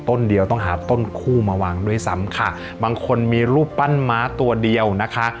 ต้นเดียวต้องหาต้นคู่มาวางด้วยซ้ำค่ะบางคนมีรูปปั้นม้าตัวเดียวนะคะ